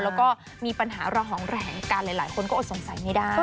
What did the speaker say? แล้วก็มีปัญหาระหองแหงกันหลายคนก็อดสงสัยไม่ได้